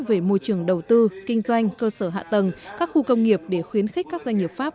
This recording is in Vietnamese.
về môi trường đầu tư kinh doanh cơ sở hạ tầng các khu công nghiệp để khuyến khích các doanh nghiệp pháp